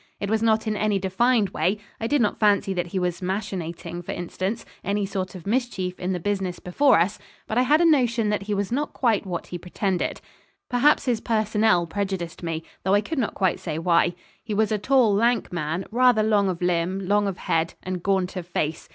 It was not in any defined way I did not fancy that he was machinating, for instance, any sort of mischief in the business before us but I had a notion that he was not quite what he pretended. Perhaps his personnel prejudiced me though I could not quite say why. He was a tall, lank man rather long of limb, long of head, and gaunt of face.